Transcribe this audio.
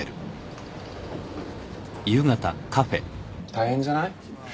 大変じゃない？